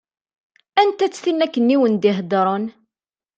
Anta-tt tin akken i wen-d-iheddṛen?